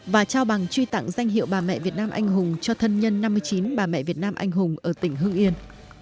và trao bằng truy tặng danh hiệu bà mẹ việt nam anh hùng cho thân nhân năm mươi chín bà mẹ việt nam anh hùng ở tỉnh hưng yên